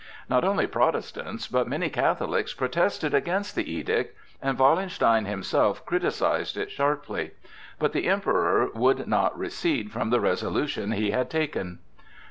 Not only Protestants, but many Catholics protested against the edict, and Wallenstein himself criticised it sharply. But the Emperor would not recede from the resolution he had taken.